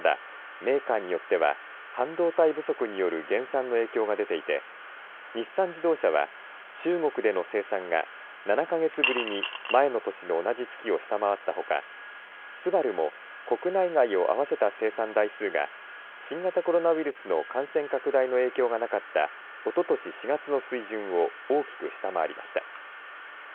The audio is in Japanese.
ただメーカーによっては半導体不足による減産の影響が出ていて日産自動車は中国での生産が７か月ぶりに前の年の同じ月を下回ったほかＳＵＢＡＲＵも国内外を合わせた生産台数が新型コロナウイルスの感染拡大の影響がなかったおととし４月の水準を大きく下回りました。